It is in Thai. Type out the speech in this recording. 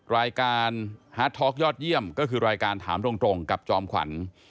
รายการฮาร์ดท็อกยอดเยี่ยมก็คือรายการถามตรงกับจอมขวัญ